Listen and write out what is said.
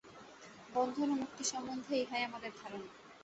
বন্ধন ও মুক্তি সম্বন্ধে ইহাই আমাদের ধারণা।